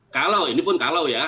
kalau ini pun kalau ya